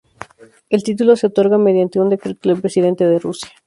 El título se otorga mediante un decreto del Presidente de Rusia.